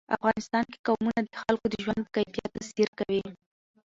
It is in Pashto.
افغانستان کې قومونه د خلکو د ژوند په کیفیت تاثیر کوي.